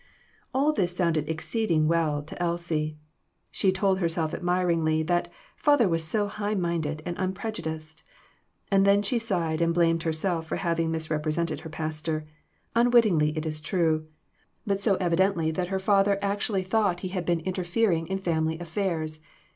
All this sounded exceedingly well to Elsie. She told herself admiringly that "father was so high minded and unprejudiced." And then she sighed and blamed herself for having misrepre sented her pastor ; unwittingly, it is true, but so evidently that her father actually thought he had EMBARRASSING QUESTIONS. 315 been interfering in family affairs